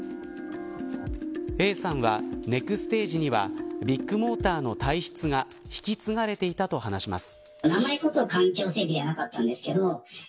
Ａさんは、ネクステージにはビッグモーターの体質が引き継がれていたと話します。